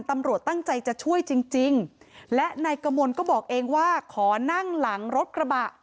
ตำรวจตั้งใจจะช่วยจริงจริงและนายกมลก็บอกเองว่าขอนั่งหลังรถกระบะ